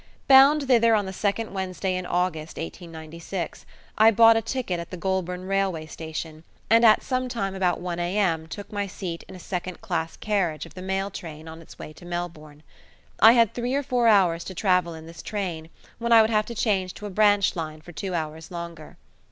Bound thither on the second Wednesday in August 1896, I bought a ticket at the Goulburn railway station, and at some time about 1 a.m. took my seat in a second class carriage of the mail train on its way to Melbourne. I had three or four hours to travel in this train when I would have to change to a branch line for two hours longer.